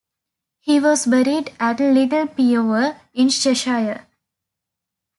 He was buried at Little Peover in Cheshire.